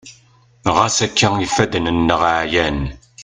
ɣas akka ifadden-nneɣ ɛyan